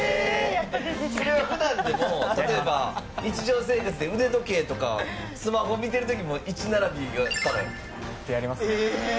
普段でも例えば日常生活で腕時計とかスマホ見てる時も１並びが来たらやるの？やりますね。